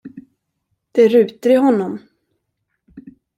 Det är ruter i honom.